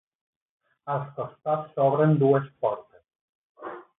Als costats s'obren dues portes.